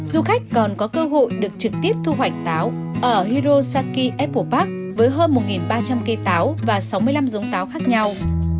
du khách còn có cơ hội được trực tiếp thu hoạch táo ở hirosaki apple park với hơn một ba trăm linh cây táo và sáu mươi năm giống táo khác nhau